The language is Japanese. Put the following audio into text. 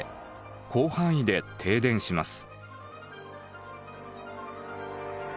広範囲で停電します。